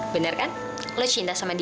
bener kan lo cinta sama dia